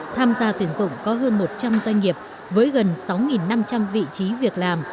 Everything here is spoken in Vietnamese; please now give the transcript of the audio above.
tham gia tuyển dụng có hơn một trăm linh doanh nghiệp với gần sáu năm trăm linh vị trí việc làm